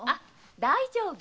大丈夫。